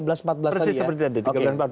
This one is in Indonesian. persis seperti tadi